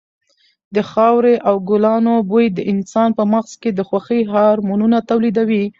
د خاورې او ګلانو بوی د انسان په مغز کې د خوښۍ هارمونونه تولیدوي.